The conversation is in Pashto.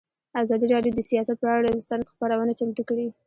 ازادي راډیو د سیاست پر اړه مستند خپرونه چمتو کړې.